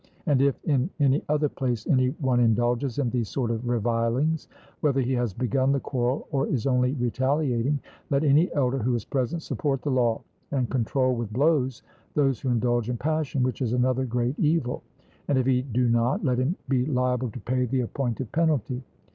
And if in any other place any one indulges in these sort of revilings, whether he has begun the quarrel or is only retaliating, let any elder who is present support the law, and control with blows those who indulge in passion, which is another great evil; and if he do not, let him be liable to pay the appointed penalty.